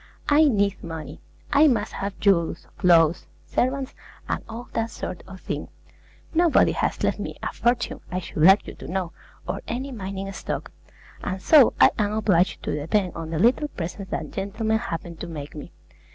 I need money; I must have jewels, clothes, servants, and all that sort of thing. Nobody has left me a fortune, I should like you to know, or any mining stock; and so I am obliged to depend on the little presents that gentlemen happen to make me.